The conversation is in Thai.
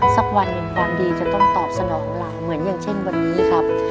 สักวันหนึ่งความดีจะต้องตอบสนองหลานเหมือนอย่างเช่นวันนี้ครับ